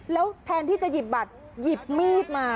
แล้วแทนที่จะหยิบบัตรหยิบมีดมา